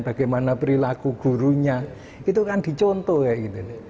bagaimana perilaku gurunya itu kan dicontoh kayak gitu